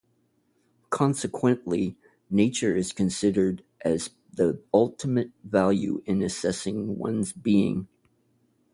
Consequently, nature is considered as the ultimate value in assessing one's being.